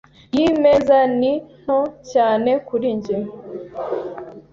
Iyi meza ni nto cyane kuri njye.